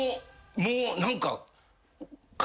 もう何か。